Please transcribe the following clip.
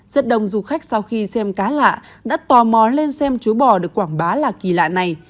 rất đông du khách sau khi xem cá lạ đã tò mò lên xem chú bò được quảng bá là kỳ lạ này